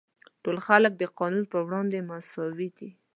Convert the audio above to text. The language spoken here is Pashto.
ټول خلک د قانون پر وړاندې مساوي دي.